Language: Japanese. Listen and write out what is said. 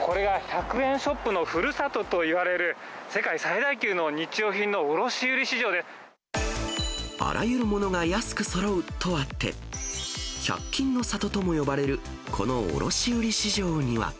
これが、１００円ショップのふるさとといわれる、世界最大級の日用品の卸あらゆるものが安くそろうとあって、１００均の里とも呼ばれるこの卸売り市場には。